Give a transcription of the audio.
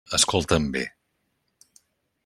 Escolta'm bé.